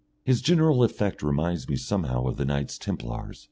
His general effect reminds me somehow of the Knights Templars.